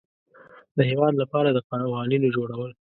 د هیواد لپاره د قوانینو جوړول وه.